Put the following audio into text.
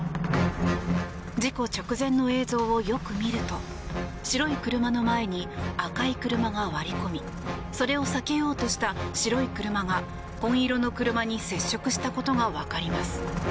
事故直前の映像をよく見ると白い車の前に赤い車が割り込みそれを避けようとした白い車が紺色の車に接触したことがわかります。